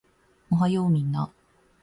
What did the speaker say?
おはようみんな